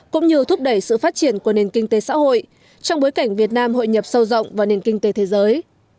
cũng như thúc đẩy sự phát triển của nền kinh tế xã hội trong bối cảnh việt nam hội nhập sâu rộng vào nền kinh tế thế giới